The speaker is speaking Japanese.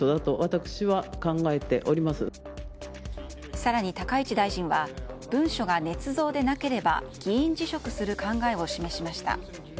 更に高市大臣は文書がねつ造でなければ議員辞職する考えを示しました。